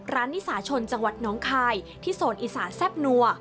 นิสาชนจังหวัดน้องคายที่โซนอีสานแซ่บนัว